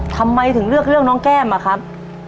ทำไมถึงเลือกเรื่องน้องแก้มอะครับ